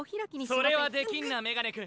それはできんなメガネくん。